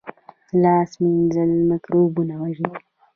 لاس مینځل مکروبونه وژني